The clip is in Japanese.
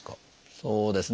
そうですね